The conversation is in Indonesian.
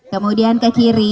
kemudian ke kiri